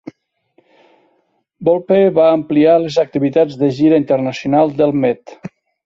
Volpe va ampliar les activitats de gira internacional del Met.